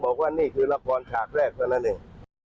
บอกว่านี่คือละครฉากแรกเท่านั้นเอง